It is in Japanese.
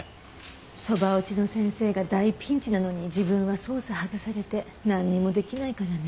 そば打ちの先生が大ピンチなのに自分は捜査外されてなんにも出来ないからね。